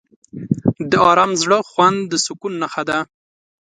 د آرام زړه خوند د سکون نښه ده.